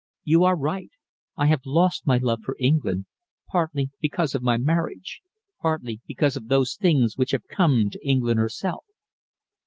You are right. I have lost my love for England, partly because of my marriage, partly because of those things which have come to England herself."